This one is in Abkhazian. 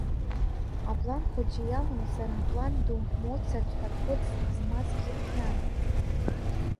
Аплан хәыҷы иалымҵыр Аплан ду Моцарт ҳәа кодс измазгьы хиан.